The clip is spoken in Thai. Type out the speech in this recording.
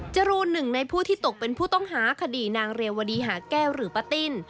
จรูนหนึ่งในผู้ที่ตกเป็นผู้ต้องหาคดีนางเรวดีหาแก้วหรือป้าติ้น